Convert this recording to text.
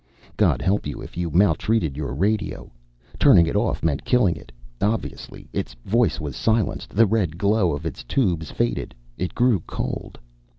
God help you if you maltreated your radio. Turning it off meant killing it. Obviously its voice was silenced, the red glow of its tubes faded, it grew cold.